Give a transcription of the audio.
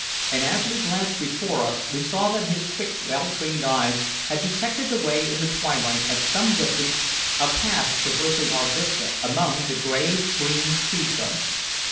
And as we glanced before us we saw that his quick, well trained eyes had detected away in the twilight, at some distance, a path traversing our vista among the gray green tree trunks.